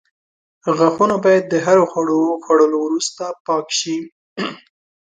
غاښونه باید د هر خواړو خوړلو وروسته پاک شي.